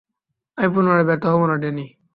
আমি পুনরায় ব্যর্থ হবো না, ড্যানি।